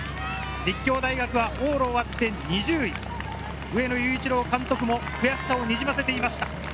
立教大学は往路終わって２０位、上野裕一郎監督も悔しさをにじませていました。